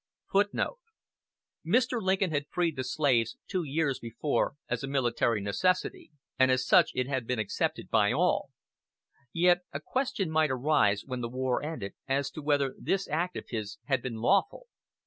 * Mr. Lincoln had freed the slaves two years before as a military necessity, and as such it had been accepted by all. Yet a question might arise, when the war ended, as to whether this act of his had been lawful.